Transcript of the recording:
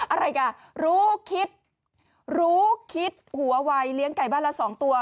อะไรกันอ่ะรู้คิดรู้คิดหัววัยเลี้ยงไก่บ้านละสองตัว